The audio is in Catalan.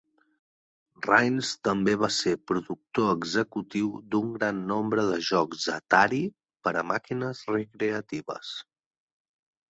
Rains també va ser productor executiu d'un gran nombre de jocs Atari per a màquines recreatives.